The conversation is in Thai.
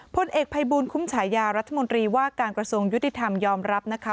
พลเอกภัยบูลคุ้มฉายารัฐมนตรีว่าการกระทรวงยุติธรรมยอมรับนะคะ